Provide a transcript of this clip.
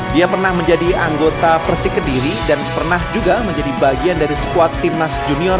dia pernah menjadi anggota persik kediri dan pernah juga menjadi bagian dari squad timnas junior